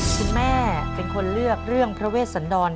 คุณแม่เป็นคนเลือกเรื่องพระเวชสันดร